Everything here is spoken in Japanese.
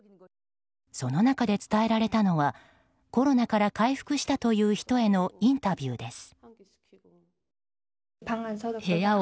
その中で伝えられたのはコロナから回復したという人へのインタビューです。